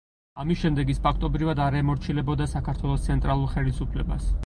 ამის შემდეგ ის ფაქტობრივად არ ემორჩილებოდა საქართველოს ცენტრალურ ხელისუფლებას.